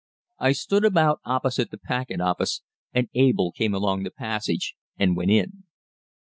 I stood about opposite the packet office, and Abel came along the passage and went in.